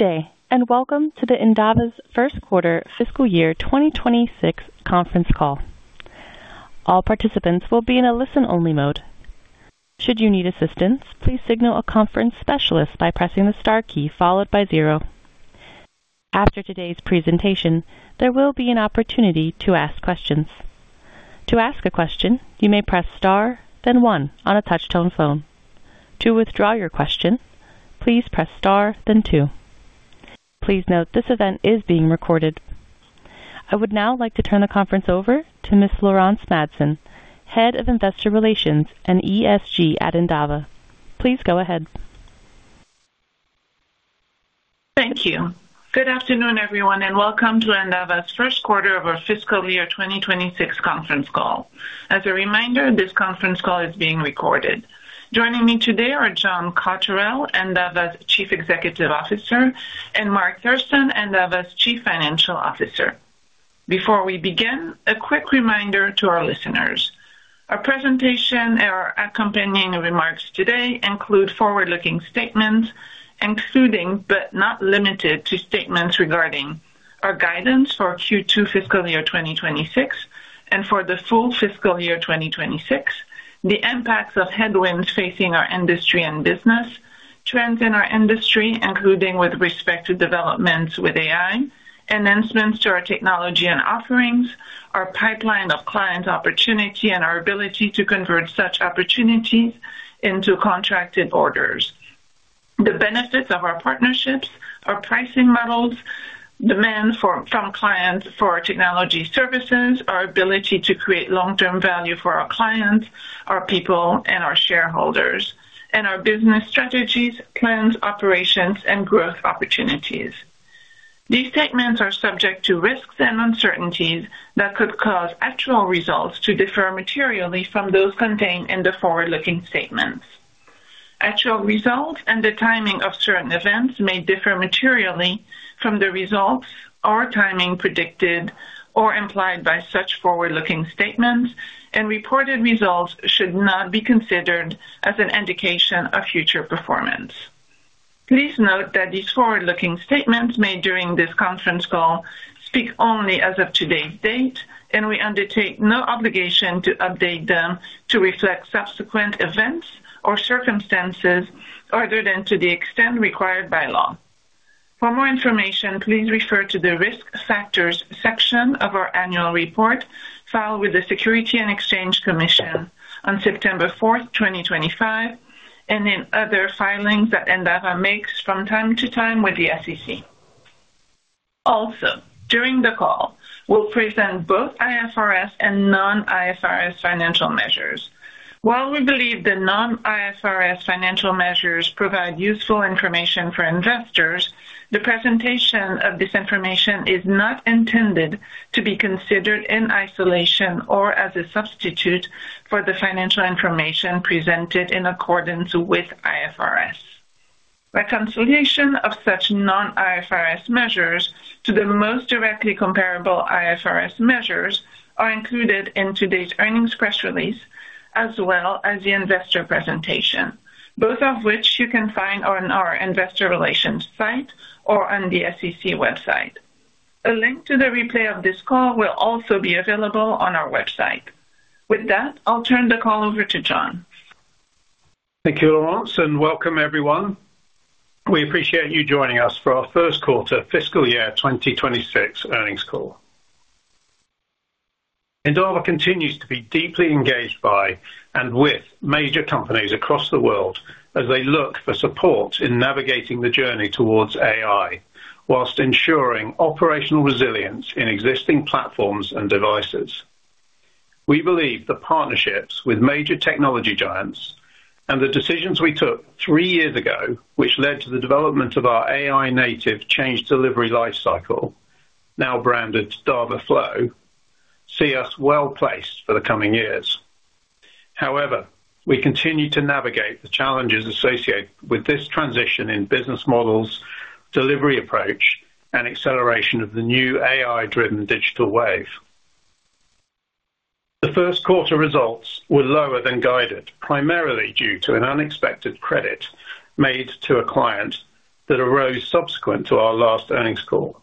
Good day, and welcome to Endava's First Quarter Fiscal Year 2026 Conference Call. All participants will be in a listen-only mode. Should you need assistance, please signal a conference specialist by pressing the star key followed by zero. After today's presentation, there will be an opportunity to ask questions. To ask a question, you may press star, then one on a touch-tone phone. To withdraw your question, please press star, then two. Please note this event is being recorded. I would now like to turn the conference over to Ms. Laurence Madsen, Head of Investor Relations and ESG at Endava. Please go ahead. Thank you. Good afternoon, everyone, and welcome to Endava's first quarter of our fiscal year 2026 conference call. As a reminder, this conference call is being recorded. Joining me today are John Cotterell, Endava's Chief Executive Officer, and Mark Thurston, Endava's Chief Financial Officer. Before we begin, a quick reminder to our listeners. Our presentation and our accompanying remarks today include forward-looking statements, including but not limited to statements regarding our guidance for Q2 fiscal year 2026 and for the full fiscal year 2026, the impacts of headwinds facing our industry and business, trends in our industry, including with respect to developments with AI, enhancements to our technology and offerings, our pipeline of client opportunity, and our ability to convert such opportunities into contracted orders. The benefits of our partnerships are pricing models, demand from clients for technology services, our ability to create long-term value for our clients, our people, and our shareholders, and our business strategies, plans, operations, and growth opportunities. These statements are subject to risks and uncertainties that could cause actual results to differ materially from those contained in the forward-looking statements. Actual results and the timing of certain events may differ materially from the results or timing predicted or implied by such forward-looking statements, and reported results should not be considered as an indication of future performance. Please note that these forward-looking statements made during this conference call speak only as of today's date, and we undertake no obligation to update them to reflect subsequent events or circumstances other than to the extent required by law. For more information, please refer to the risk factors section of our annual report filed with the Securities and Exchange Commission on September 4th, 2025, and in other filings that Endava makes from time to time with the SEC. Also, during the call, we'll present both IFRS and non-IFRS financial measures. While we believe the non-IFRS financial measures provide useful information for investors, the presentation of this information is not intended to be considered in isolation or as a substitute for the financial information presented in accordance with IFRS. Reconciliation of such non-IFRS measures to the most directly comparable IFRS measures is included in today's earnings press release as well as the investor presentation, both of which you can find on our investor relations site or on the SEC website. A link to the replay of this call will also be available on our website. With that, I'll turn the call over to John. Thank you, Laurence, and welcome, everyone. We appreciate you joining us for our first quarter fiscal year 2026 earnings call. Endava continues to be deeply engaged by and with major companies across the world as they look for support in navigating the journey towards AI whilst ensuring operational resilience in existing platforms and devices. We believe the partnerships with major technology giants and the decisions we took three years ago, which led to the development of our AI-native change delivery lifecycle, now branded DavaFlow, see us well placed for the coming years. However, we continue to navigate the challenges associated with this transition in business models, delivery approach, and acceleration of the new AI-driven digital wave. The first quarter results were lower than guided, primarily due to an unexpected credit made to a client that arose subsequent to our last earnings call,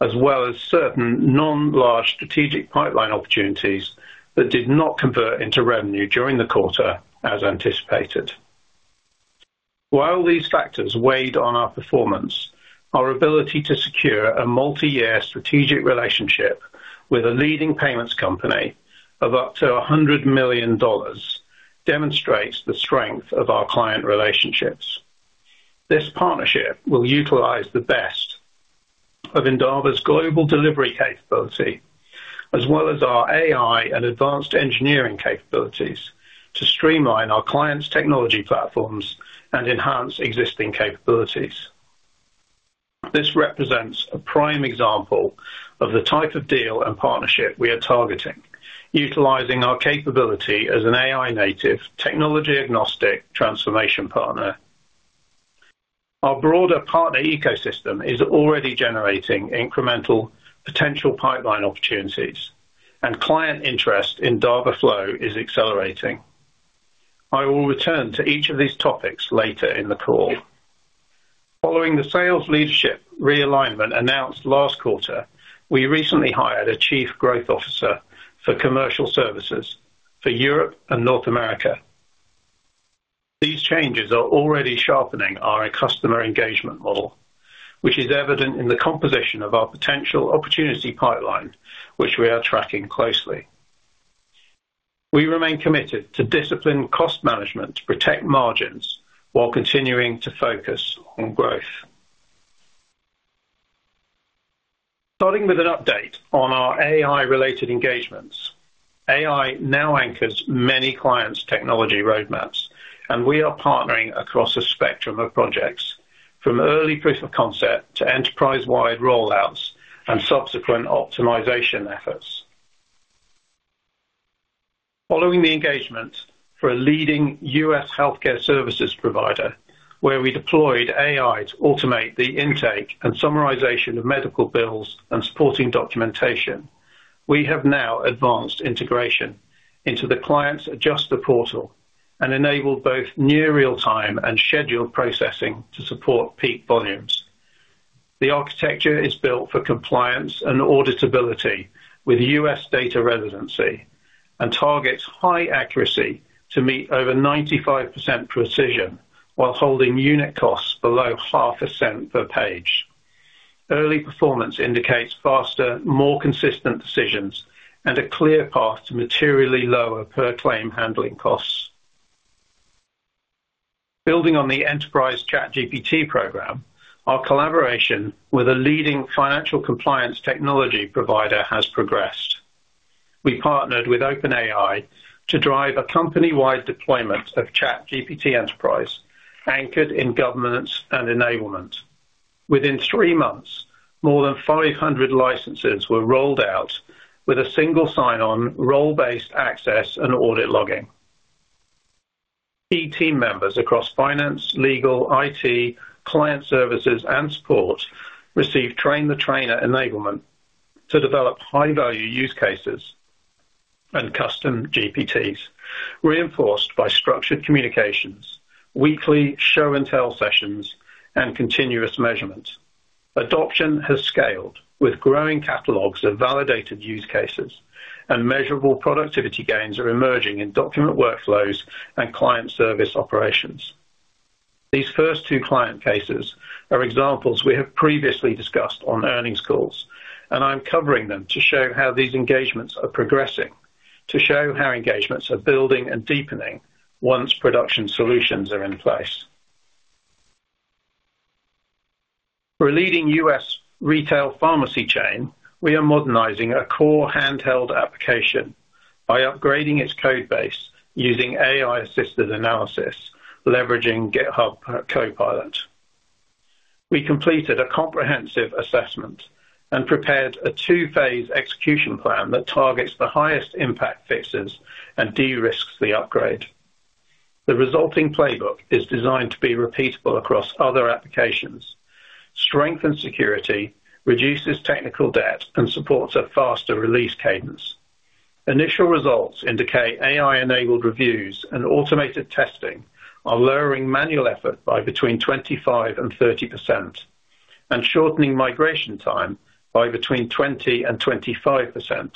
as well as certain non-large strategic pipeline opportunities that did not convert into revenue during the quarter as anticipated. While these factors weighed on our performance, our ability to secure a multi-year strategic relationship with a leading payments company of up to $100 million demonstrates the strength of our client relationships. This partnership will utilize the best of Endava's global delivery capability, as well as our AI and advanced engineering capabilities, to streamline our clients' technology platforms and enhance existing capabilities. This represents a prime example of the type of deal and partnership we are targeting, utilizing our capability as an AI-native technology-agnostic transformation partner. Our broader partner ecosystem is already generating incremental potential pipeline opportunities, and client interest in DavaFlow is accelerating. I will return to each of these topics later in the call. Following the sales leadership realignment announced last quarter, we recently hired a Chief Growth Officer for Commercial Services for Europe and North America. These changes are already sharpening our customer engagement model, which is evident in the composition of our potential opportunity pipeline, which we are tracking closely. We remain committed to disciplined cost management to protect margins while continuing to focus on growth. Starting with an update on our AI-related engagements. AI now anchors many clients' technology roadmaps, and we are partnering across a spectrum of projects, from early proof of concept to enterprise-wide rollouts and subsequent optimization efforts. Following the engagement for a leading U.S. healthcare services provider, where we deployed AI to automate the intake and summarization of medical bills and supporting documentation, we have now advanced integration into the client's adjuster portal and enabled both near real-time and scheduled processing to support peak volumes. The architecture is built for compliance and auditability with U.S. data residency and targets high accuracy to meet over 95% precision while holding unit costs below $0.005 per page. Early performance indicates faster, more consistent decisions and a clear path to materially lower per-claim handling costs. Building on the enterprise ChatGPT program, our collaboration with a leading financial compliance technology provider has progressed. We partnered with OpenAI to drive a company-wide deployment of ChatGPT Enterprise anchored in governance and enablement. Within three months, more than 500 licenses were rolled out with a single sign-on role-based access and audit logging. Key team members across finance, legal, IT, client services, and support received train-the-trainer enablement to develop high-value use cases and custom GPTs, reinforced by structured communications, weekly show-and-tell sessions, and continuous measurement. Adoption has scaled with growing catalogs of validated use cases, and measurable productivity gains are emerging in document workflows and client service operations. These first two client cases are examples we have previously discussed on earnings calls, and I'm covering them to show how these engagements are progressing, to show how engagements are building and deepening once production solutions are in place. For a leading U.S. retail pharmacy chain, we are modernizing a core handheld application by upgrading its code base using AI-assisted analysis, leveraging GitHub Copilot. We completed a comprehensive assessment and prepared a two-phase execution plan that targets the highest impact fixes and de-risks the upgrade. The resulting playbook is designed to be repeatable across other applications. Strengthened security reduces technical debt and supports a faster release cadence. Initial results indicate AI-enabled reviews and automated testing are lowering manual effort by between 25%-30% and shortening migration time by between 20%-25%,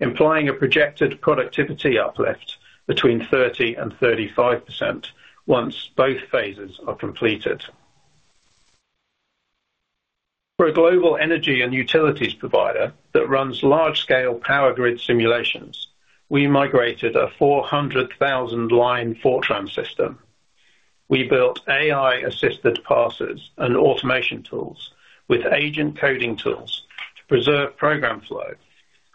implying a projected productivity uplift between 30%-35% once both phases are completed. For a global energy and utilities provider that runs large-scale power grid simulations, we migrated a 400,000-line Fortran system. We built AI-assisted parsers and automation tools with agent coding tools to preserve program flow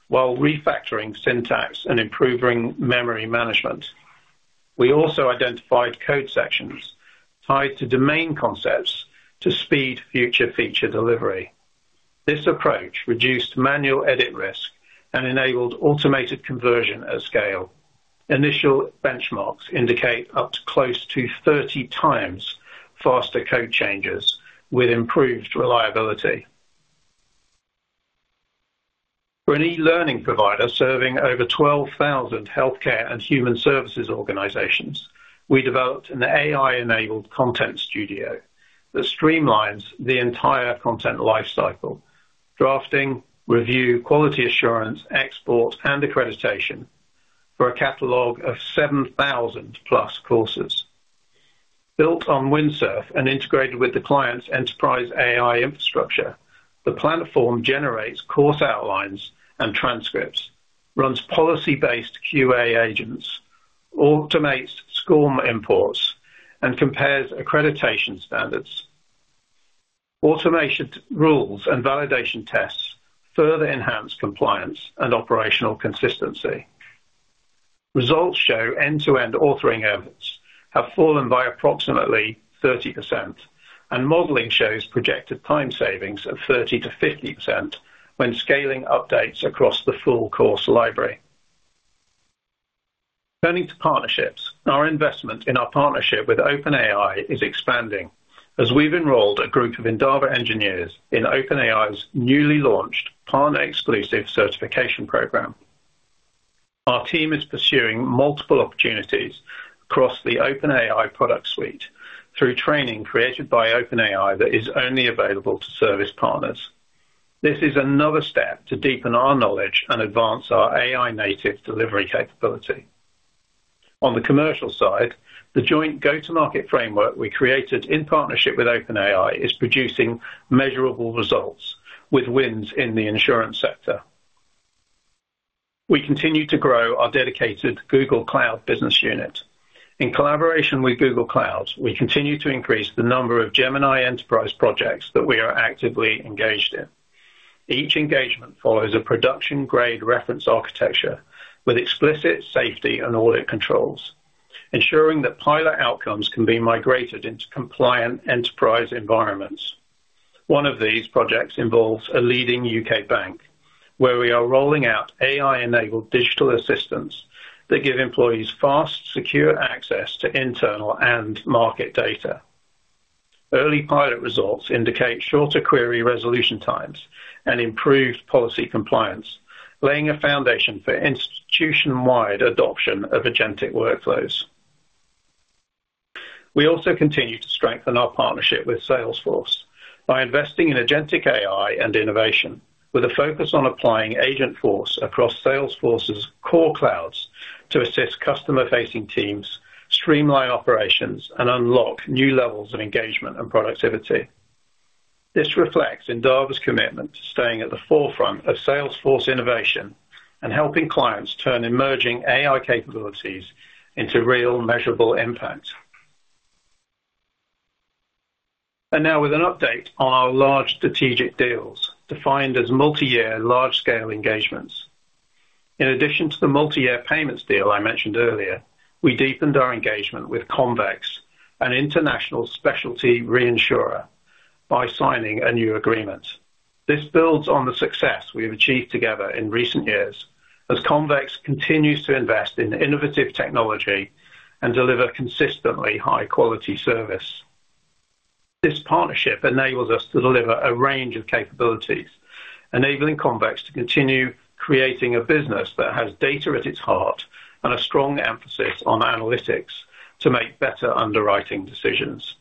while refactoring syntax and improving memory management. We also identified code sections tied to domain concepts to speed future feature delivery. This approach reduced manual edit risk and enabled automated conversion at scale. Initial benchmarks indicate up to close to 30x faster code changes with improved reliability. For an e-learning provider serving over 12,000 healthcare and human services organizations, we developed an AI-enabled content studio that streamlines the entire content lifecycle, drafting, review, quality assurance, export, and accreditation for a catalog of 7,000-plus courses. Built on Windsurf and integrated with the client's enterprise AI infrastructure, the platform generates course outlines and transcripts, runs policy-based QA agents, automates SCORM imports, and compares accreditation standards. Automation rules and validation tests further enhance compliance and operational consistency. Results show end-to-end authoring efforts have fallen by approximately 30%, and modeling shows projected time savings of 30%-50% when scaling updates across the full course library. Turning to partnerships, our investment in our partnership with OpenAI is expanding as we've enrolled a group of Endava engineers in OpenAI's newly launched partner-exclusive certification program. Our team is pursuing multiple opportunities across the OpenAI product suite through training created by OpenAI that is only available to service partners. This is another step to deepen our knowledge and advance our AI-native delivery capability. On the commercial side, the joint go-to-market framework we created in partnership with OpenAI is producing measurable results with wins in the insurance sector. We continue to grow our dedicated Google Cloud business unit. In collaboration with Google Cloud, we continue to increase the number of Gemini enterprise projects that we are actively engaged in. Each engagement follows a production-grade reference architecture with explicit safety and audit controls, ensuring that pilot outcomes can be migrated into compliant enterprise environments. One of these projects involves a leading U.K. bank, where we are rolling out AI-enabled digital assistants that give employees fast, secure access to internal and market data. Early pilot results indicate shorter query resolution times and improved policy compliance, laying a foundation for institution-wide adoption of agentic workflows. We also continue to strengthen our partnership with Salesforce by investing in agentic AI and innovation, with a focus on applying Agent Force across Salesforce's core clouds to assist customer-facing teams, streamline operations, and unlock new levels of engagement and productivity. This reflects Endava's commitment to staying at the forefront of Salesforce innovation and helping clients turn emerging AI capabilities into real, measurable impact. Now, with an update on our large strategic deals defined as multi-year, large-scale engagements. In addition to the multi-year payments deal I mentioned earlier, we deepened our engagement with Convex, an international specialty reinsurer, by signing a new agreement. This builds on the success we have achieved together in recent years as Convex continues to invest in innovative technology and deliver consistently high-quality service. This partnership enables us to deliver a range of capabilities, enabling Convex to continue creating a business that has data at its heart and a strong emphasis on analytics to make better underwriting decisions.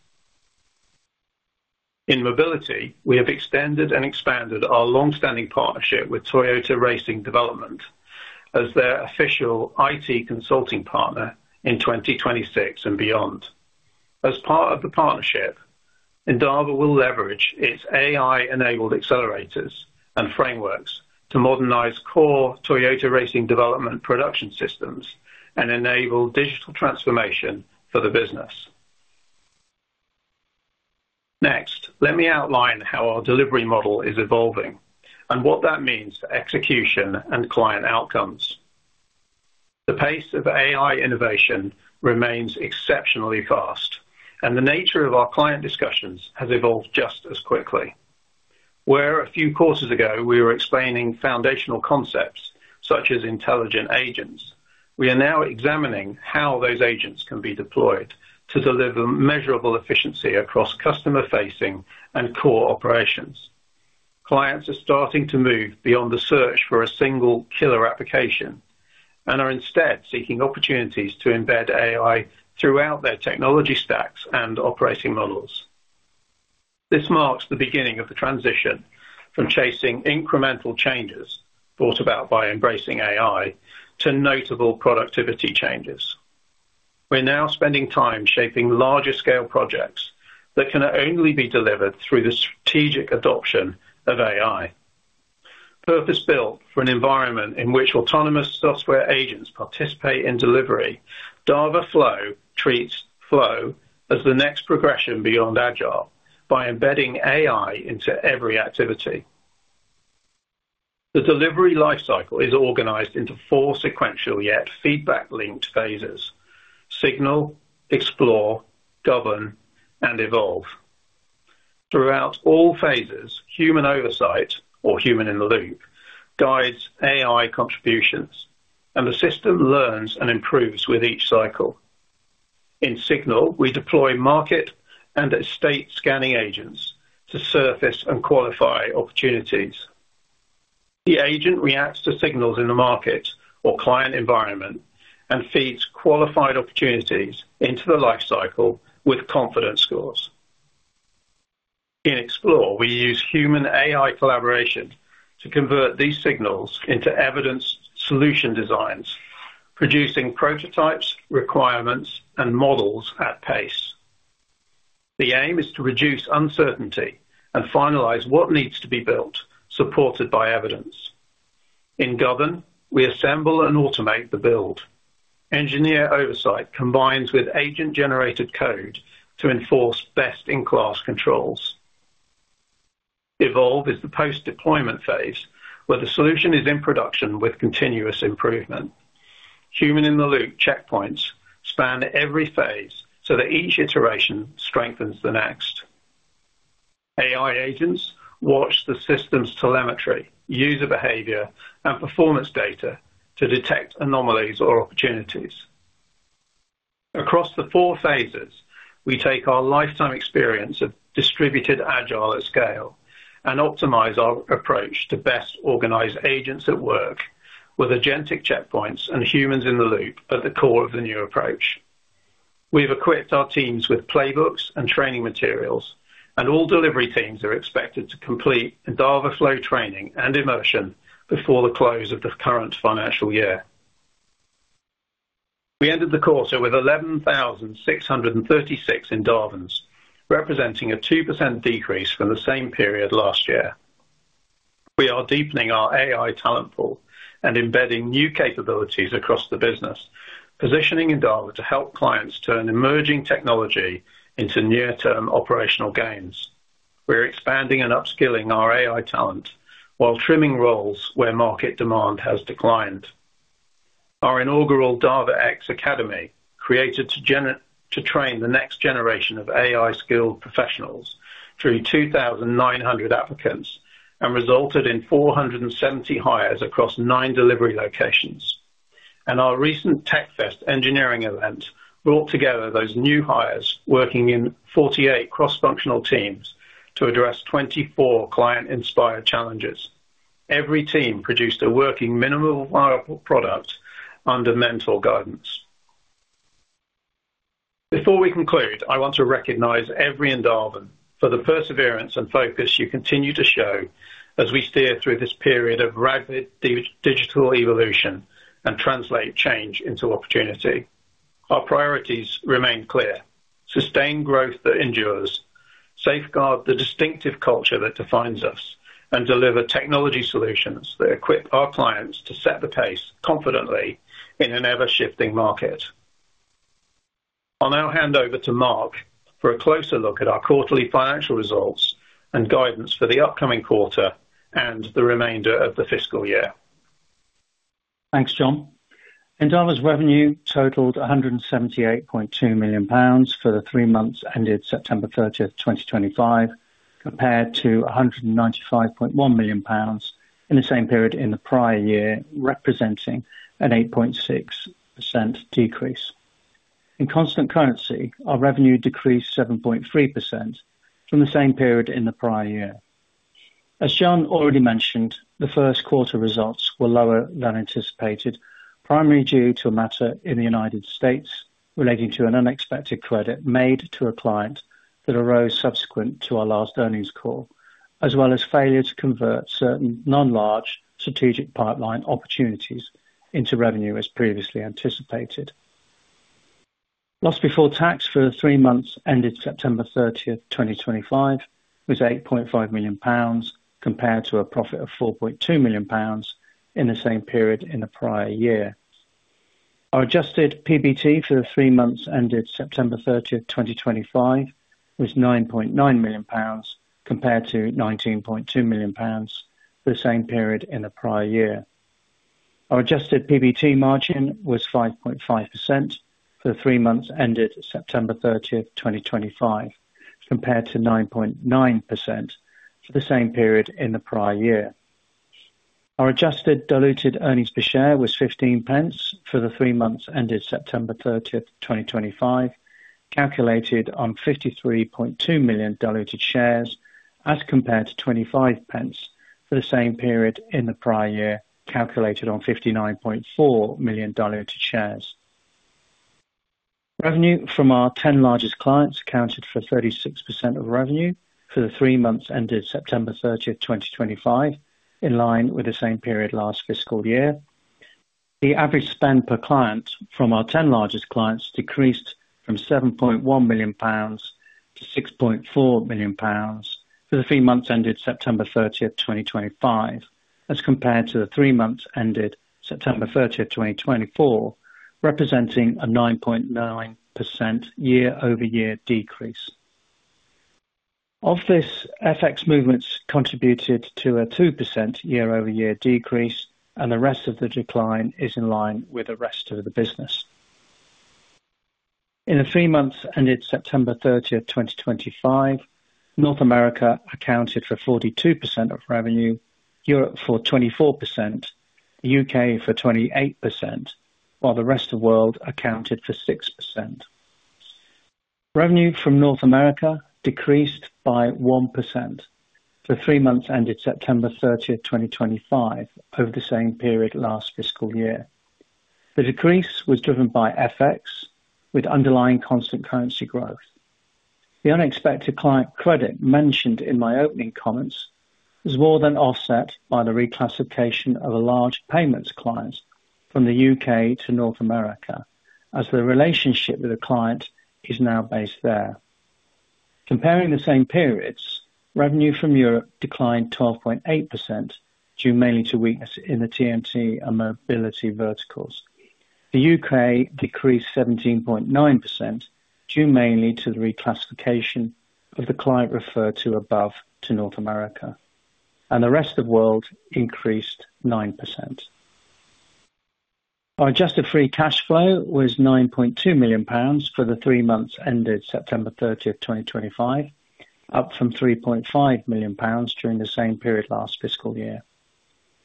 In mobility, we have extended and expanded our long-standing partnership with Toyota Racing Development as their official IT consulting partner in 2026 and beyond. As part of the partnership, Endava will leverage its AI-enabled accelerators and frameworks to modernize core Toyota Racing Development production systems and enable digital transformation for the business. Next, let me outline how our delivery model is evolving and what that means for execution and client outcomes. The pace of AI innovation remains exceptionally fast, and the nature of our client discussions has evolved just as quickly. Where a few courses ago, we were explaining foundational concepts such as intelligent agents, we are now examining how those agents can be deployed to deliver measurable efficiency across customer-facing and core operations. Clients are starting to move beyond the search for a single killer application and are instead seeking opportunities to embed AI throughout their technology stacks and operating models. This marks the beginning of the transition from chasing incremental changes brought about by embracing AI to notable productivity changes. We're now spending time shaping larger-scale projects that can only be delivered through the strategic adoption of AI. Purpose-built for an environment in which autonomous software agents participate in delivery, DavaFlow treats flow as the next progression beyond agile by embedding AI into every activity. The delivery lifecycle is organized into four sequential yet feedback-linked phases: signal, explore, govern, and evolve. Throughout all phases, human oversight, or human-in-the-loop, guides AI contributions, and the system learns and improves with each cycle. In Signal, we deploy market and estate scanning agents to surface and qualify opportunities. The agent reacts to signals in the market or client environment and feeds qualified opportunities into the lifecycle with confidence scores. In Xplore, we use human-AI collaboration to convert these signals into evidence solution designs, producing prototypes, requirements, and models at pace. The aim is to reduce uncertainty and finalize what needs to be built, supported by evidence. In Govern, we assemble and automate the build. Engineer oversight combines with agent-generated code to enforce best-in-class controls. Evolve is the post-deployment phase where the solution is in production with continuous improvement. Human-in-the-loop checkpoints span every phase so that each iteration strengthens the next. AI agents watch the system's telemetry, user behavior, and performance data to detect anomalies or opportunities. Across the four phases, we take our lifetime experience of distributed agile at scale and optimize our approach to best organize agents at work with agentic checkpoints and humans-in-the-loop at the core of the new approach. We've equipped our teams with playbooks and training materials, and all delivery teams are expected to complete DavaFlow training and immersion before the close of the current financial year. We ended the quarter with 11,636 Endavans, representing a 2% decrease from the same period last year. We are deepening our AI talent pool and embedding new capabilities across the business, positioning Endava to help clients turn emerging technology into near-term operational gains. We're expanding and upskilling our AI talent while trimming roles where market demand has declined. Our inaugural Dava.X Academy, created to train the next generation of AI-skilled professionals, drew 2,900 applicants and resulted in 470 hires across nine delivery locations. Our recent TechFest engineering event brought together those new hires working in 48 cross-functional teams to address 24 client-inspired challenges. Every team produced a working minimal viable product under mentor guidance. Before we conclude, I want to recognize every Endava for the perseverance and focus you continue to show as we steer through this period of rapid digital evolution and translate change into opportunity. Our priorities remain clear: sustain growth that endures, safeguard the distinctive culture that defines us, and deliver technology solutions that equip our clients to set the pace confidently in an ever-shifting market. I'll now hand over to Mark for a closer look at our quarterly financial results and guidance for the upcoming quarter and the remainder of the fiscal year. Thanks, John. Endava's revenue totaled 178.2 million pounds for the three months ended September 30, 2025, compared to 195.1 million pounds in the same period in the prior year, representing an 8.6% decrease. In constant currency, our revenue decreased 7.3% from the same period in the prior year. As John already mentioned, the first quarter results were lower than anticipated, primarily due to a matter in the U.S. relating to an unexpected credit made to a client that arose subsequent to our last earnings call, as well as failure to convert certain non-large strategic pipeline opportunities into revenue as previously anticipated. Loss before tax for the three months ended September 30, 2025, was GBP 8.5 million compared to a profit of 4.2 million pounds in the same period in the prior year. Our adjusted PBT for the three months ended September 30, 2025, was 9.9 million pounds compared to 19.2 million pounds for the same period in the prior year. Our adjusted PBT margin was 5.5% for the three months ended September 30, 2025, compared to 9.9% for the same period in the prior year. Our adjusted diluted earnings per share was 0.15 for the three months ended September 30, 2025, calculated on 53.2 million diluted shares as compared to 0.25 for the same period in the prior year, calculated on 59.4 million diluted shares. Revenue from our 10 largest clients accounted for 36% of revenue for the three months ended September 30, 2025, in line with the same period last fiscal year. The average spend per client from our 10 largest clients decreased from 7.1 million pounds to 6.4 million pounds for the three months ended September 30, 2025, as compared to the three months ended September 30, 2024, representing a 9.9% year-over-year decrease. Office FX movements contributed to a 2% year-over-year decrease, and the rest of the decline is in line with the rest of the business. In the three months ended September 30, 2025, North America accounted for 42% of revenue, Europe for 24%, U.K. for 28%, while the rest of the world accounted for 6%. Revenue from North America decreased by 1% for the three months ended September 30, 2025, over the same period last fiscal year. The decrease was driven by FX, with underlying constant currency growth. The unexpected client credit mentioned in my opening comments is more than offset by the reclassification of a large payments client from the U.K. to North America, as the relationship with the client is now based there. Comparing the same periods, revenue from Europe declined 12.8% due mainly to weakness in the TMT and mobility verticals. The U.K. decreased 17.9% due mainly to the reclassification of the client referred to above to North America, and the rest of the world increased 9%. Our adjusted free cash flow was 9.2 million pounds for the three months ended September 30, 2025, up from 3.5 million pounds during the same period last fiscal year.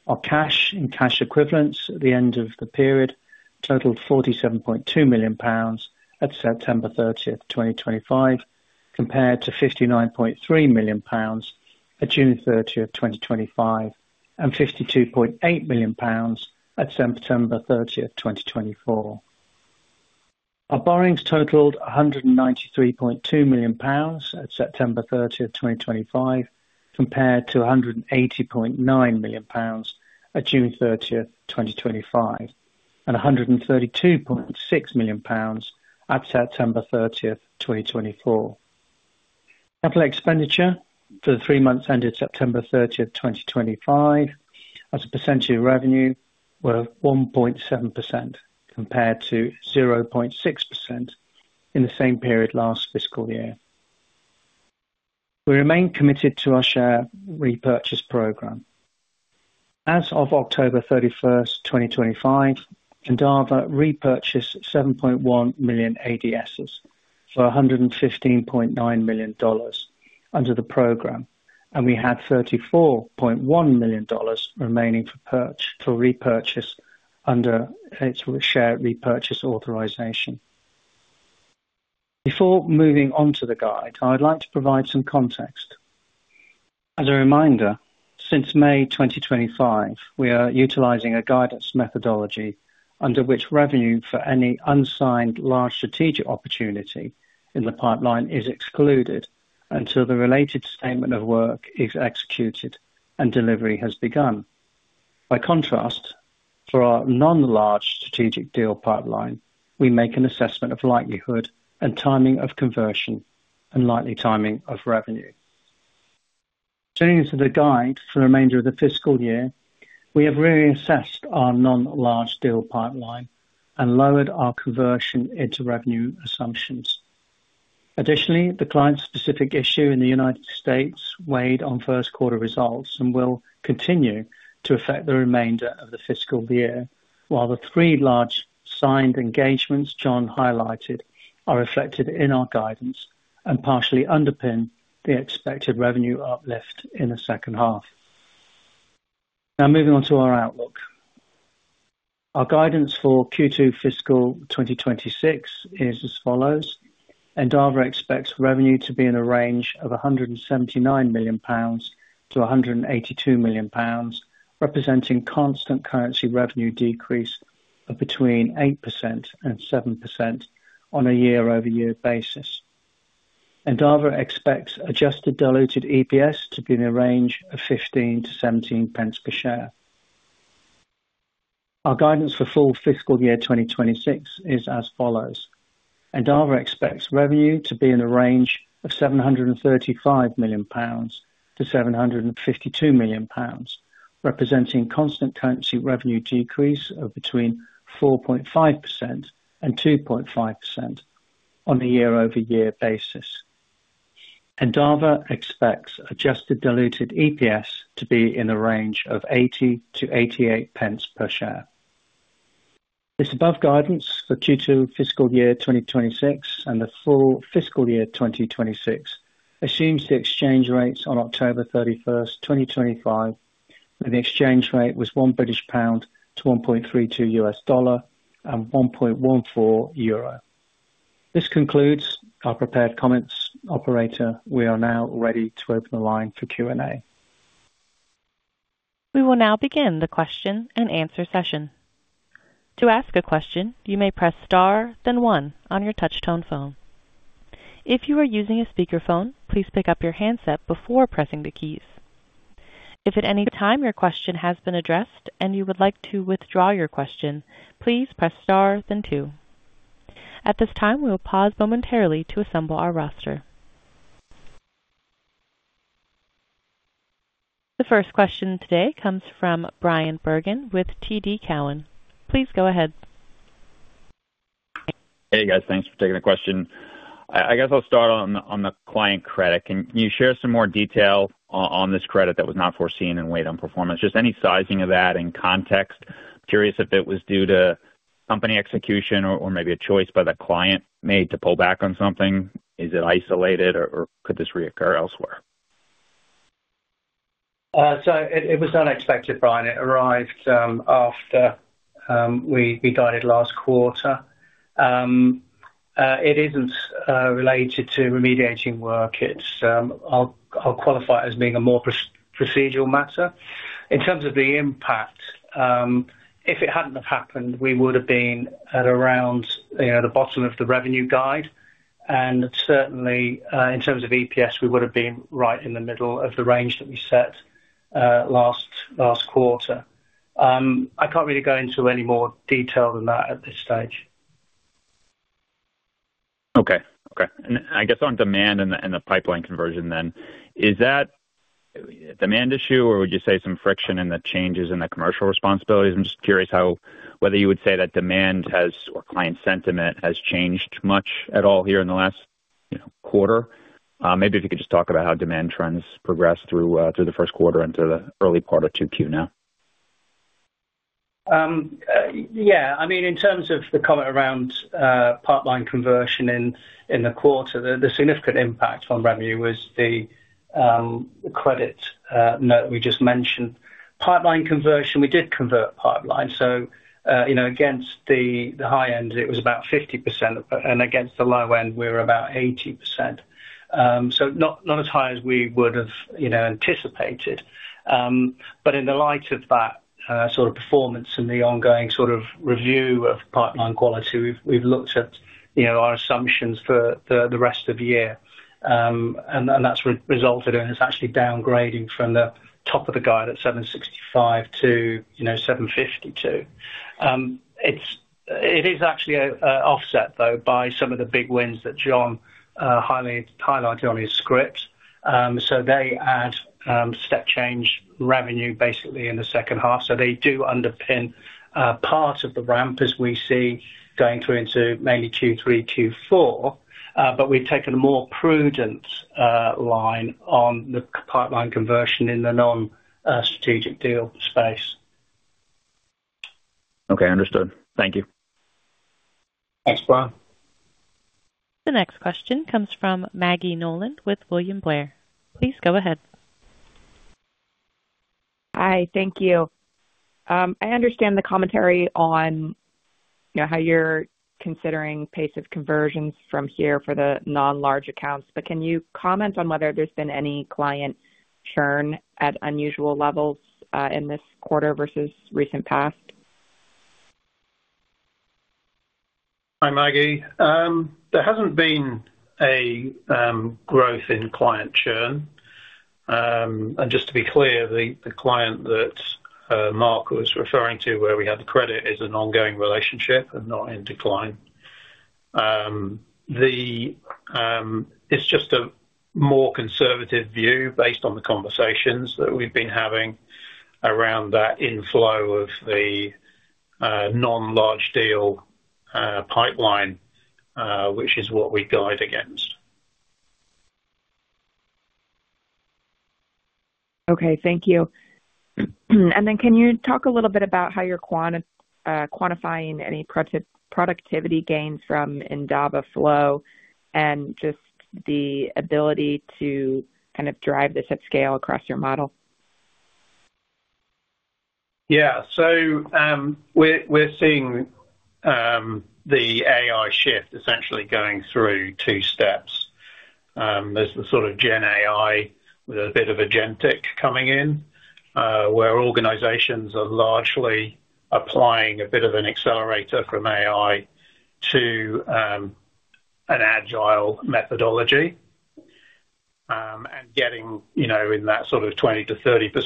Our cash and cash equivalents at the end of the period totaled 47.2 million pounds at September 30, 2025, compared to 59.3 million pounds at June 30, 2025, and 52.8 million pounds at September 30, 2024. Our borrowings totaled 193.2 million pounds at September 30, 2025, compared to 180.9 million pounds at June 30, 2025, and 132.6 million pounds at September 30, 2024. Capital expenditure for the three months ended September 30, 2025, as a percentage of revenue, was 1.7% compared to 0.6% in the same period last fiscal year. We remain committed to our share repurchase program. As of October 31, 2025, Endava repurchased 7.1 million ADSs for $115.9 million under the program, and we had $34.1 million remaining for repurchase under its share repurchase authorization. Before moving on to the guide, I would like to provide some context. As a reminder, since May 2025, we are utilizing a guidance methodology under which revenue for any unsigned large strategic opportunity in the pipeline is excluded until the related statement of work is executed and delivery has begun. By contrast, for our non-large strategic deal pipeline, we make an assessment of likelihood and timing of conversion and likely timing of revenue. Turning to the guide for the remainder of the fiscal year, we have reassessed our non-large deal pipeline and lowered our conversion into revenue assumptions. Additionally, the client-specific issue in the United States weighed on first-quarter results and will continue to affect the remainder of the fiscal year, while the three large signed engagements John highlighted are reflected in our guidance and partially underpin the expected revenue uplift in the second half. Now, moving on to our outlook. Our guidance for Q2 fiscal 2026 is as follows: Endava expects revenue to be in the range of 179 million-182 million pounds, representing constant currency revenue decrease of between 8% and 7% on a year-over-year basis. Endava expects adjusted diluted EPS to be in the range of 0.15-0.17 per share. Our guidance for full fiscal year 2026 is as follows. Endava expects revenue to be in the range of 735 million-752 million pounds, representing constant currency revenue decrease of between 4.5% and 2.5% on a year-over-year basis. Endava expects adjusted diluted EPS to be in the range of 0.80-0.88 per share. This above guidance for Q2 fiscal year 2026 and the full fiscal year 2026 assumes the exchange rates on October 31, 2025, where the exchange rate was 1 British pound to $1.32 and 1.14 euro. This concludes our prepared comments operator. We are now ready to open the line for Q&A. We will now begin the question and answer session. To ask a question, you may press star, then one on your touch-tone phone. If you are using a speakerphone, please pick up your handset before pressing the keys. If at any time your question has been addressed and you would like to withdraw your question, please press star, then two. At this time, we will pause momentarily to assemble our roster. The first question today comes from Bryan Bergin with TD Cowen. Please go ahead. Hey, guys. Thanks for taking the question. I guess I'll start on the client credit. Can you share some more detail on this credit that was not foreseen and weighed on performance? Just any sizing of that and context? Curious if it was due to company execution or maybe a choice by the client made to pull back on something. Is it isolated, or could this reoccur elsewhere? It was unexpected, Bryan. It arrived after we guided last quarter. It isn't related to remediating work. I'll qualify it as being a more procedural matter. In terms of the impact, if it hadn't have happened, we would have been at around the bottom of the revenue guide. Certainly, in terms of EPS, we would have been right in the middle of the range that we set last quarter. I can't really go into any more detail than that at this stage. Okay. I guess on demand and the pipeline conversion then, is that a demand issue, or would you say some friction in the changes in the commercial responsibilities? I'm just curious whether you would say that demand or client sentiment has changed much at all here in the last quarter. Maybe if you could just talk about how demand trends progressed through the first quarter into the early part of Q2 now. Yeah. I mean, in terms of the comment around pipeline conversion in the quarter, the significant impact on revenue was the credit note that we just mentioned. Pipeline conversion, we did convert pipeline. Against the high end, it was about 50%, and against the low end, we were about 80%. Not as high as we would have anticipated. In the light of that sort of performance and the ongoing sort of review of pipeline quality, we have looked at our assumptions for the rest of the year, and that has resulted in us actually downgrading from the top of the guide at 765 million to 752 million. It is actually an offset, though, by some of the big wins that John highlighted on his script. They add step change revenue basically in the second half. They do underpin part of the ramp as we see going through into mainly Q3, Q4. We have taken a more prudent line on the pipeline conversion in the non-strategic deal space. Okay. Understood. Thank you. Thanks, Bryan. The next question comes from Maggie Nolan with William Blair. Please go ahead. Hi. Thank you. I understand the commentary on how you are considering pace of conversions from here for the non-large accounts, but can you comment on whether there has been any client churn at unusual levels in this quarter versus recent past? Hi, Maggie. There has not been a growth in client churn. Just to be clear, the client that Mark was referring to where we had the credit is an ongoing relationship and not in decline. It's just a more conservative view based on the conversations that we've been having around that inflow of the non-large deal pipeline, which is what we guide against. Okay. Thank you. Can you talk a little bit about how you're quantifying any productivity gains from DavaFlow and just the ability to kind of drive this at scale across your model? Yeah. We're seeing the AI shift essentially going through two steps. There's the sort of Gen AI with a bit of agentic coming in, where organizations are largely applying a bit of an accelerator from AI to an agile methodology and getting in that sort of 20%-30%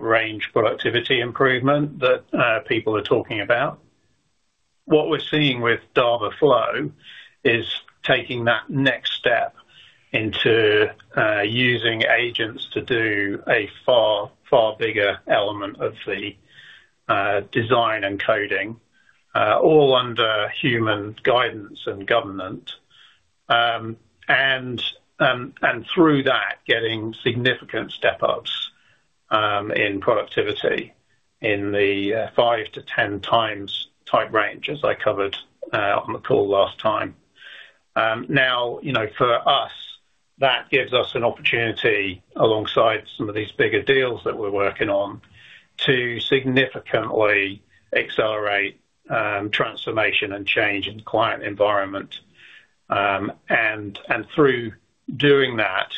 range productivity improvement that people are talking about. What we're seeing with DavaFlow is taking that next step into using agents to do a far, far bigger element of the design and coding, all under human guidance and governance, and through that, getting significant step-ups in productivity in the 5x-10x type range, as I covered on the call last time. Now, for us, that gives us an opportunity, alongside some of these bigger deals that we're working on, to significantly accelerate transformation and change in the client environment. Through doing that,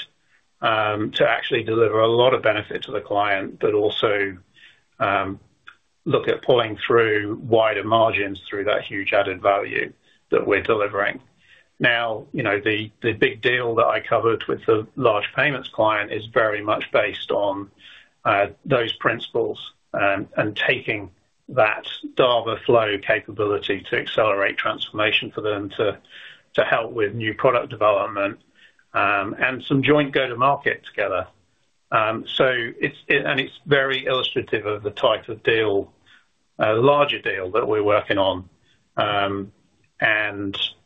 to actually deliver a lot of benefit to the client, but also look at pulling through wider margins through that huge added value that we're delivering. Now, the big deal that I covered with the large payments client is very much based on those principles and taking that DavaFlow capability to accelerate transformation for them to help with new product development and some joint go-to-market together. It is very illustrative of the type of deal, a larger deal that we're working on,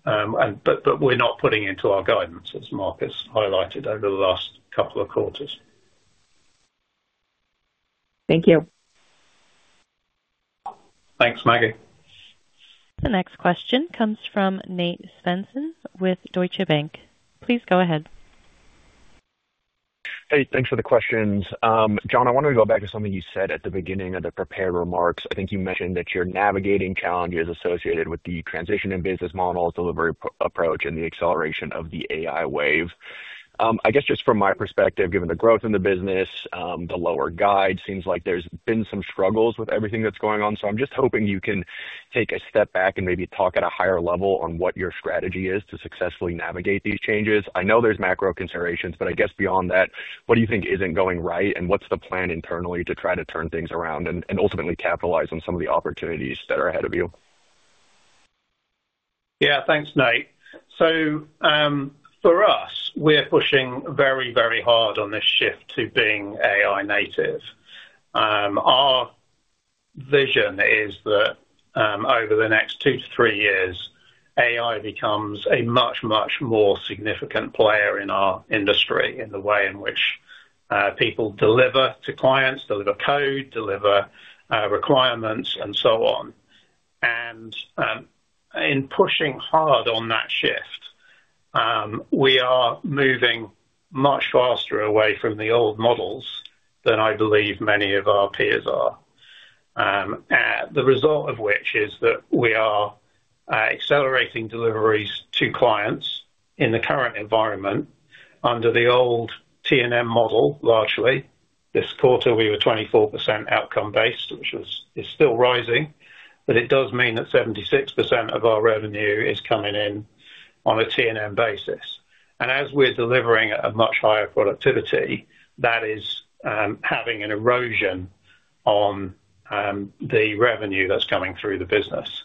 but we're not putting into our guidance, as Mark has highlighted over the last couple of quarters. Thank you. Thanks, Maggie. The next question comes from Nate Svensson with Deutsche Bank. Please go ahead. Hey, thanks for the questions. John, I want to go back to something you said at the beginning of the prepared remarks. I think you mentioned that you're navigating challenges associated with the transition in business models, delivery approach, and the acceleration of the AI wave. I guess just from my perspective, given the growth in the business, the lower guide, it seems like there's been some struggles with everything that's going on. I'm just hoping you can take a step back and maybe talk at a higher level on what your strategy is to successfully navigate these changes. I know there's macro considerations, but I guess beyond that, what do you think isn't going right, and what's the plan internally to try to turn things around and ultimately capitalize on some of the opportunities that are ahead of you? Yeah. Thanks, Nate. For us, we're pushing very, very hard on this shift to being AI native. Our vision is that over the next two to three years, AI becomes a much, much more significant player in our industry in the way in which people deliver to clients, deliver code, deliver requirements, and so on. In pushing hard on that shift, we are moving much faster away from the old models than I believe many of our peers are. The result of which is that we are accelerating deliveries to clients in the current environment under the old T&M model largely. This quarter, we were 24% outcome-based, which is still rising, but it does mean that 76% of our revenue is coming in on a T&M basis. As we're delivering at a much higher productivity, that is having an erosion on the revenue that's coming through the business.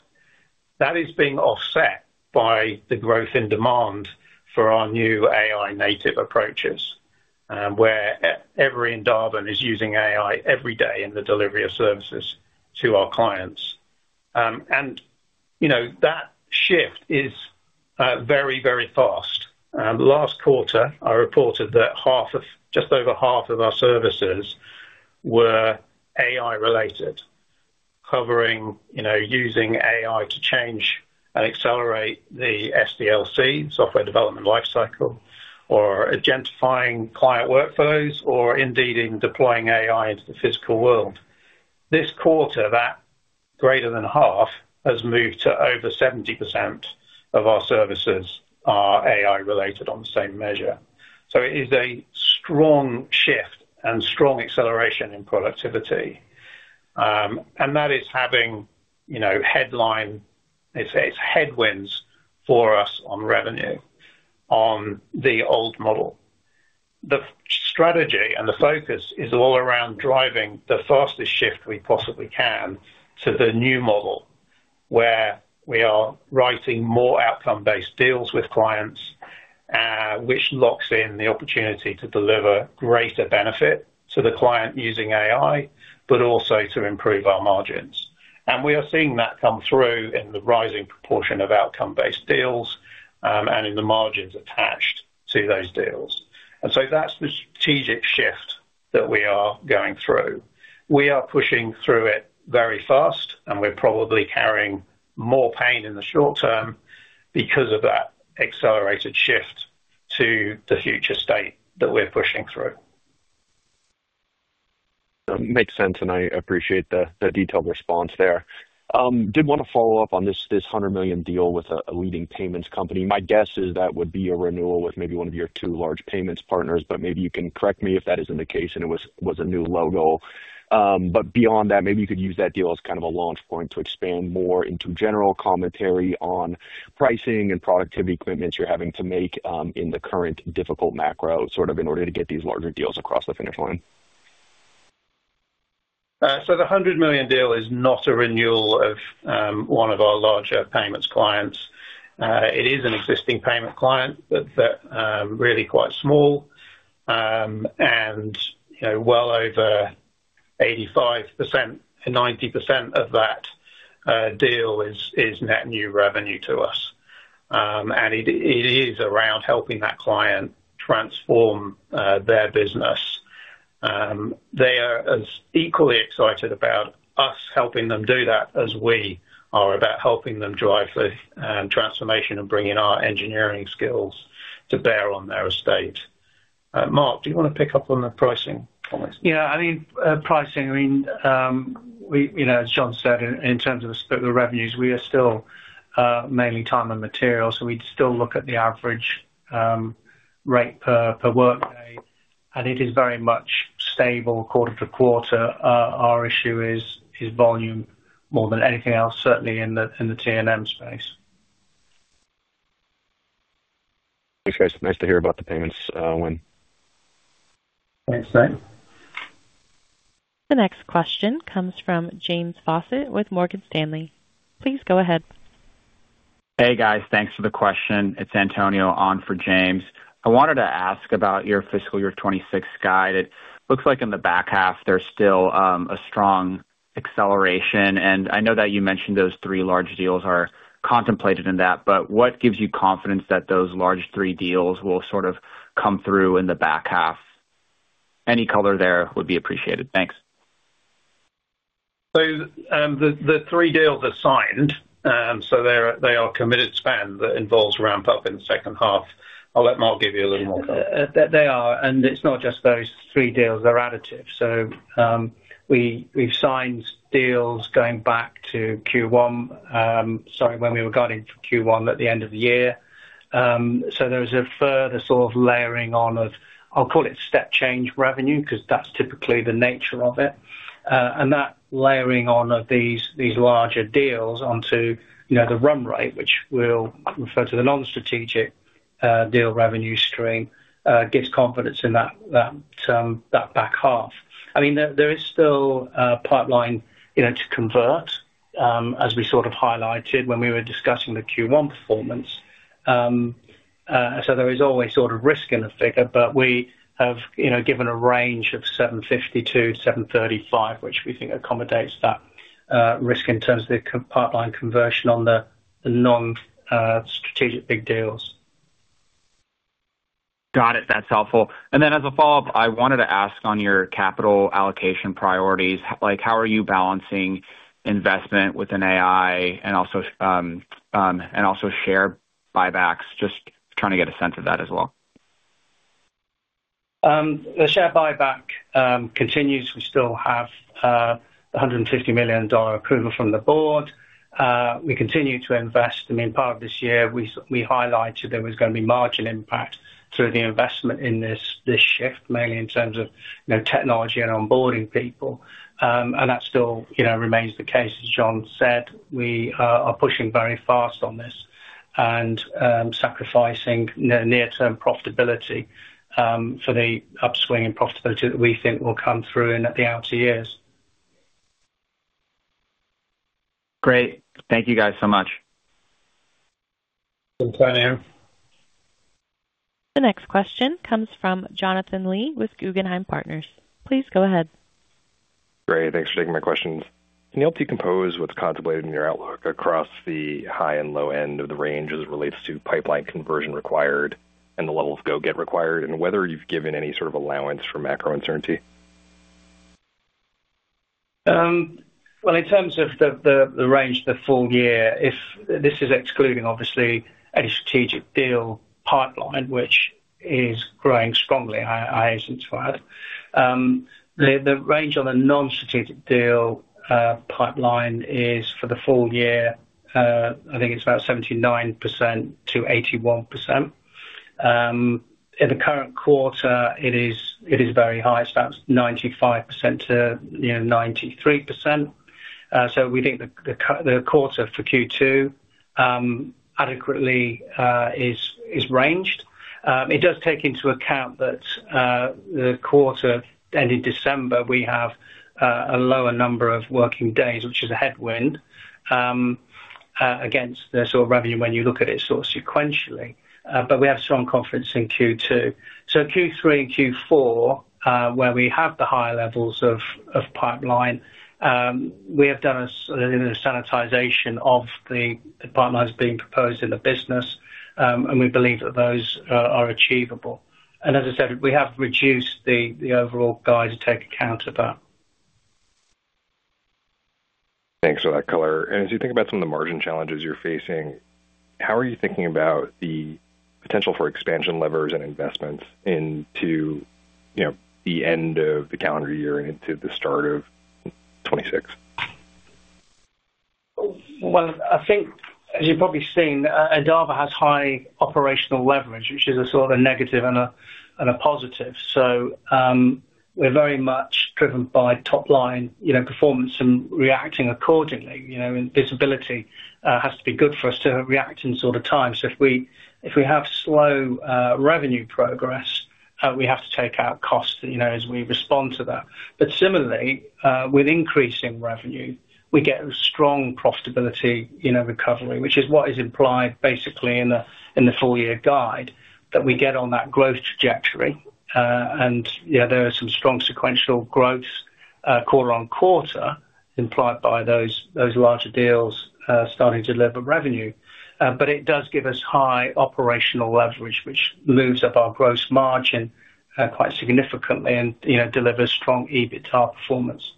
That is being offset by the growth in demand for our new AI native approaches, where every Endavan is using AI every day in the delivery of services to our clients. That shift is very, very fast. Last quarter, I reported that just over half of our services were AI-related, covering using AI to change and accelerate the SDLC, software development lifecycle, or agentifying client workflows, or indeed in deploying AI into the physical world. This quarter, that greater than half has moved to over 70% of our services are AI-related on the same measure. It is a strong shift and strong acceleration in productivity. That is having headwinds for us on revenue on the old model. The strategy and the focus is all around driving the fastest shift we possibly can to the new model, where we are writing more outcome-based deals with clients, which locks in the opportunity to deliver greater benefit to the client using AI, but also to improve our margins. We are seeing that come through in the rising proportion of outcome-based deals and in the margins attached to those deals. That is the strategic shift that we are going through. We are pushing through it very fast, and we're probably carrying more pain in the short term because of that accelerated shift to the future state that we're pushing through. Makes sense, and I appreciate the detailed response there. Did want to follow up on this $100 million deal with a leading payments company. My guess is that would be a renewal with maybe one of your two large payments partners, but maybe you can correct me if that isn't the case and it was a new logo. Beyond that, maybe you could use that deal as kind of a launch point to expand more into general commentary on pricing and productivity commitments you're having to make in the current difficult macro sort of in order to get these larger deals across the finish line. The $100 million deal is not a renewal of one of our larger payments clients. It is an existing payment client, but really quite small. Well over 85%-90% of that deal is net new revenue to us. It is around helping that client transform their business. They are as equally excited about us helping them do that as we are about helping them drive the transformation and bringing our engineering skills to bear on their estate. Mark, do you want to pick up on the pricing comments? Yeah. I mean, pricing, I mean, as John said, in terms of the revenues, we are still mainly time and material. So we still look at the average rate per workday. And it is very much stable quarter to quarter. Our issue is volume more than anything else, certainly in the T&M space. Appreciate it. Nice to hear about the payments win. Thanks, Nate. The next question comes from James Fawcett with Morgan Stanley. Please go ahead. Hey, guys. Thanks for the question. It's Antonio on for James. I wanted to ask about your fiscal year 2026 guide.It looks like in the back half, there's still a strong acceleration. I know that you mentioned those three large deals are contemplated in that, but what gives you confidence that those large three deals will sort of come through in the back half? Any color there would be appreciated. Thanks. The three deals are signed. They are committed spend that involves ramp-up in the second half. I'll let Mark give you a little more thought. They are. It's not just those three deals. They're additive. We've signed deals going back to Q1, sorry, when we were guiding for Q1 at the end of the year. There is a further sort of layering on of, I'll call it step change revenue because that's typically the nature of it. That layering on of these larger deals onto the run rate, which we'll refer to as the non-strategic deal revenue stream, gives confidence in that back half. I mean, there is still a pipeline to convert, as we sort of highlighted when we were discussing the Q1 performance. There is always sort of risk in the figure, but we have given a range of 750 million-735 million, which we think accommodates that risk in terms of the pipeline conversion on the non-strategic big deals. Got it. That's helpful. As a follow-up, I wanted to ask on your capital allocation priorities. How are you balancing investment with AI and also share buybacks? Just trying to get a sense of that as well. The share buyback continues. We still have $150 million approval from the Board. We continue to invest. I mean, part of this year, we highlighted there was going to be margin impact through the investment in this shift, mainly in terms of technology and onboarding people. That still remains the case, as John said. We are pushing very fast on this and sacrificing near-term profitability for the upswing in profitability that we think will come through in the outer years. Great. Thank you guys so much. Antonio. The next question comes from Jonathan Lee with Guggenheim Partners. Please go ahead. Great. Thanks for taking my questions. Can you help decompose what's contemplated in your outlook across the high and low end of the range as it relates to pipeline conversion required and the level of go-get required, and whether you've given any sort of allowance for macro uncertainty? In terms of the range, the full year, this is excluding, obviously, any strategic deal pipeline, which is growing strongly. I hesitated to add. The range on the non-strategic deal pipeline is for the full year, I think it's about 79%-81%. In the current quarter, it is very high. It's about 95%-93%. We think the quarter for Q2 adequately is ranged. It does take into account that the quarter ending December, we have a lower number of working days, which is a headwind against the sort of revenue when you look at it sort of sequentially. We have strong confidence in Q2. Q3 and Q4, where we have the higher levels of pipeline, we have done a sanitization of the pipelines being proposed in the business, and we believe that those are achievable. As I said, we have reduced the overall guide to take account of that. Thanks for that color. As you think about some of the margin challenges you are facing, how are you thinking about the potential for expansion levers and investments into the end of the calendar year and into the start of 2026? I think, as you have probably seen, Endava has high operational leverage, which is a sort of a negative and a positive. We are very much driven by top-line performance and reacting accordingly. Visibility has to be good for us to react in time. If we have slow revenue progress, we have to take out costs as we respond to that. Similarly, with increasing revenue, we get a strong profitability recovery, which is what is implied basically in the full-year guide that we get on that growth trajectory. There are some strong sequential growths quarter on quarter implied by those larger deals starting to deliver revenue. It does give us high operational leverage, which moves up our gross margin quite significantly and delivers strong EBITDA performance.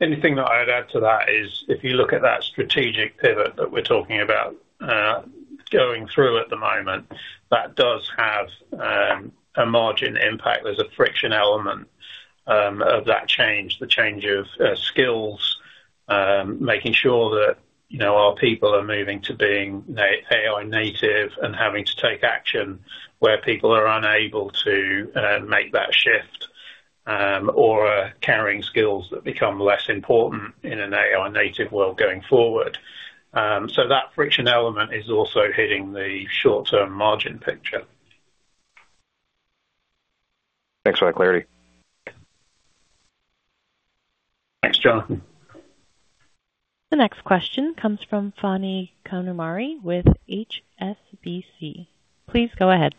Anything that I'd add to that is if you look at that strategic pivot that we're talking about going through at the moment, that does have a margin impact. There is a friction element of that change, the change of skills, making sure that our people are moving to being AI native and having to take action where people are unable to make that shift or carrying skills that become less important in an AI native world going forward. That friction element is also hitting the short-term margin picture. Thanks for that clarity. Thanks, Jonathan. The next question comes from Phani Kanumuri with HSBC. Please go ahead.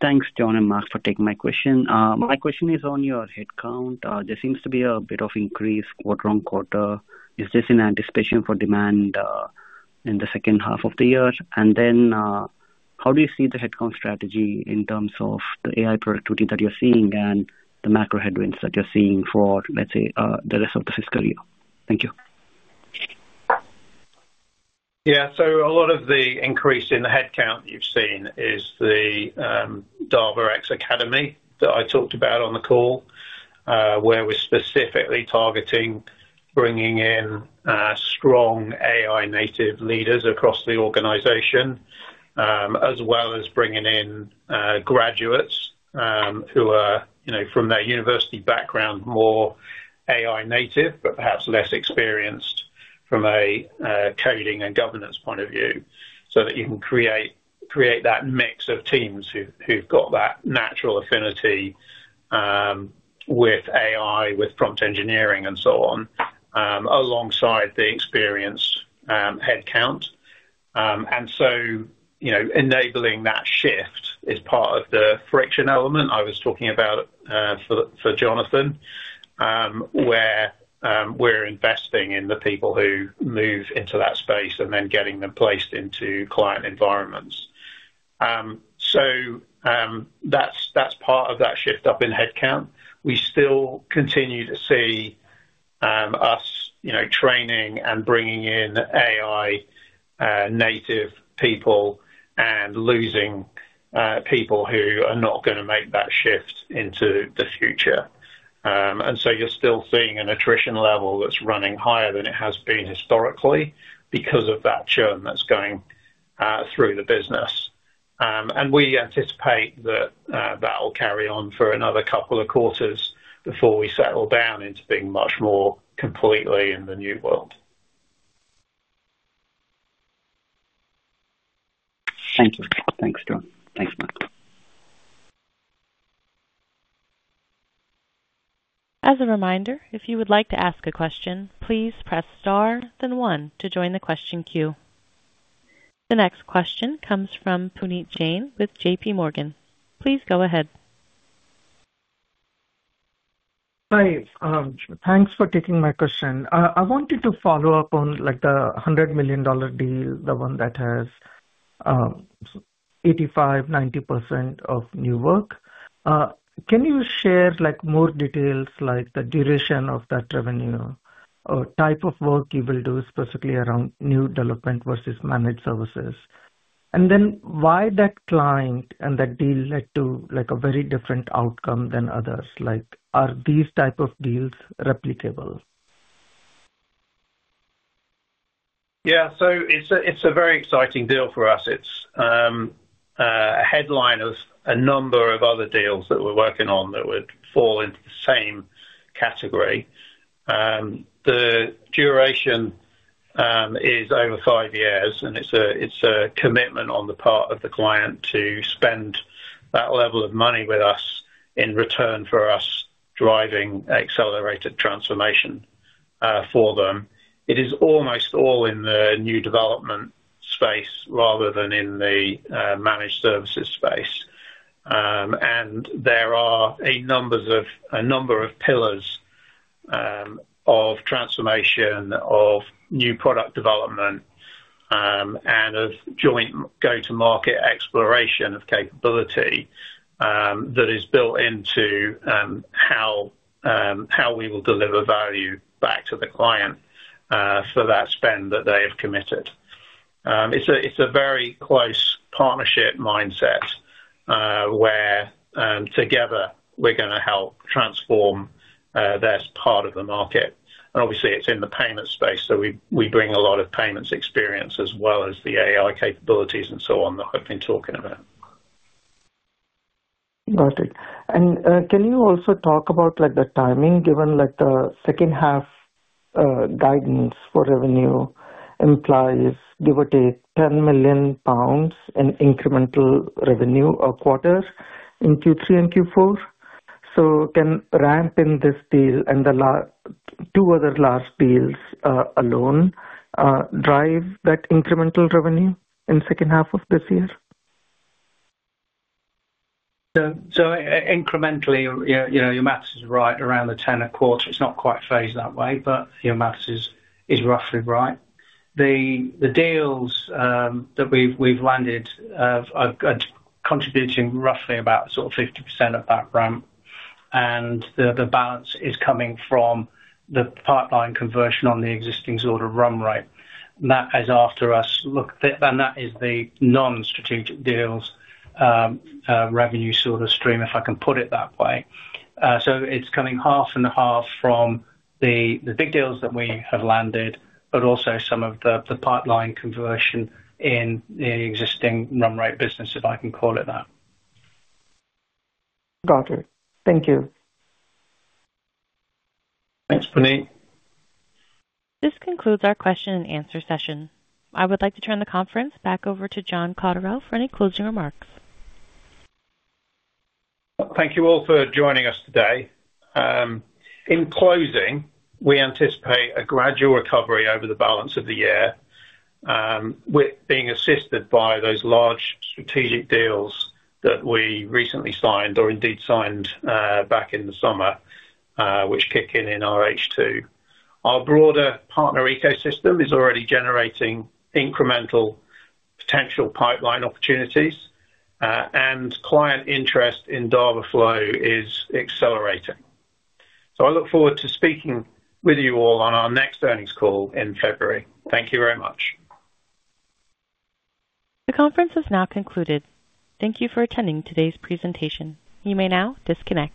Thanks, John and Mark, for taking my question. My question is on your headcount. There seems to be a bit of increase quarter on quarter. Is this in anticipation for demand in the second half of the year? How do you see the headcount strategy in terms of the AI productivity that you're seeing and the macro headwinds that you're seeing for, let's say, the rest of the fiscal year? Thank you. Yeah. A lot of the increase in the headcount you've seen is the Dava.X Academy that I talked about on the call, where we're specifically targeting bringing in strong AI native leaders across the organization, as well as bringing in graduates who are from their university background, more AI native, but perhaps less experienced from a coding and governance point of view, so that you can create that mix of teams who've got that natural affinity with AI, with prompt engineering, and so on, alongside the experienced headcount. Enabling that shift is part of the friction element I was talking about for Jonathan, where we're investing in the people who move into that space and then getting them placed into client environments. That's part of that shift up in headcount. We still continue to see us training and bringing in AI native people and losing people who are not going to make that shift into the future. You are still seeing an attrition level that is running higher than it has been historically because of that churn that is going through the business. We anticipate that will carry on for another couple of quarters before we settle down into being much more completely in the new world. Thank you. Thanks, John. Thanks, Mark. As a reminder, if you would like to ask a question, please press star, then one to join the question queue. The next question comes from Puneet Jain with J.P. Morgan. Please go ahead. Hi. Thanks for taking my question. I wanted to follow up on the $100 million deal, the one that has 85%-90% of new work. Can you share more details, like the duration of that revenue or type of work you will do specifically around new development versus managed services? Why that client and that deal led to a very different outcome than others? Are these type of deals replicable? Yeah. It is a very exciting deal for us. It is a headline of a number of other deals that we are working on that would fall into the same category. The duration is over five years, and it is a commitment on the part of the client to spend that level of money with us in return for us driving accelerated transformation for them. It is almost all in the new development space rather than in the managed services space. There are a number of pillars of transformation, of new product development, and of joint go-to-market exploration of capability that is built into how we will deliver value back to the client for that spend that they have committed. It is a very close partnership mindset where together we are going to help transform this part of the market. Obviously, it is in the payment space. We bring a lot of payments experience as well as the AI capabilities and so on that I have been talking about. Got it. Can you also talk about the timing, given the second-half guidance for revenue implies, give or take, 10 million pounds in incremental revenue or quarters in Q3 and Q4? Can ramp in this deal and the two other large deals alone drive that incremental revenue in the second half of this year? Incrementally, your maths is right around the 10 million and a quarter. It's not quite phased that way, but your maths is roughly right. The deals that we've landed are contributing roughly about 50% of that ramp. The balance is coming from the pipeline conversion on the existing sort of run rate. That is after us. That is the non-strategic deals revenue sort of stream, if I can put it that way. It's coming half and a half from the big deals that we have landed, but also some of the pipeline conversion in the existing run rate business, if I can call it that. Got it. Thank you. Thanks, Puneet. This concludes our question-and-answer session. I would like to turn the conference back over to John Cotterell for any closing remarks. Thank you all for joining us today. In closing, we anticipate a gradual recovery over the balance of the year, being assisted by those large strategic deals that we recently signed or indeed signed back in the summer, which kick in in our H2. Our broader partner ecosystem is already generating incremental potential pipeline opportunities, and client interest in DavaFlow is accelerating. I look forward to speaking with you all on our next earnings call in February. Thank you very much. The conference has now concluded. Thank you for attending today's presentation. You may now disconnect.